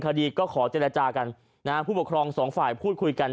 คดีก็ขอเจรจากันนะฮะผู้ปกครองสองฝ่ายพูดคุยกัน